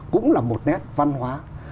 cũng là một nét văn hóa